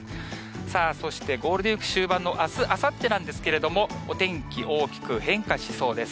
さあ、そしてゴールデンウィーク終盤のあす、あさってなんですけれども、お天気、大きく変化しそうです。